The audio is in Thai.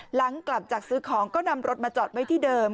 หลังกลับจากซื้อของก็นำรถมาจอดไว้ที่เดิม